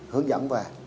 hướng dẫn về